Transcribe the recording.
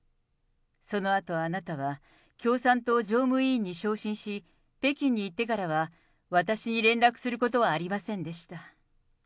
そのあとあなたは、共産党常務委員に昇進し、北京に行ってからは、私に連絡することはありませんでした。